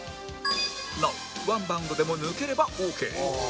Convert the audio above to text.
なおワンバウンドでも抜ければオーケー